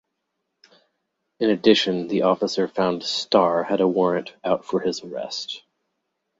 In addition, the officer found Starr had a warrant out for his arrest.